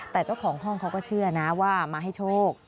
แต่เจ้าของห้องเขาก็เชื่อนะว่ามาให้โชค